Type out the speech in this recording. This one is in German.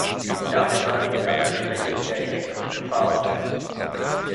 Damit war die gesamte Strecke wieder elektrisch befahrbar.